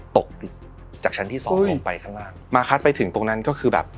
ตกจากชั้นที่สองลงไปข้างล่างมาคัสไปถึงตรงนั้นก็คือแบบ